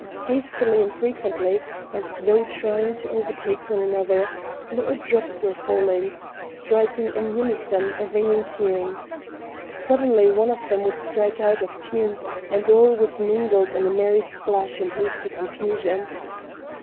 Hastily and frequently, as though trying to overtake one another, little drops were falling, striking in unison a ringing tune. Suddenly one of them would strike out of tune and all was mingled in a merry splash in hasty confusion.